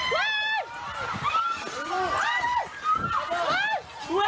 ซักเมื่อกี้